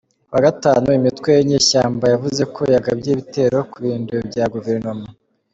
Ku wa gatanu, imitwe y'inyeshyamba yavuze ko yagabye ibitero ku birindiro bya guverinoma.